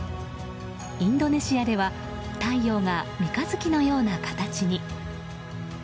インドネシアでは太陽が三日月のような形に。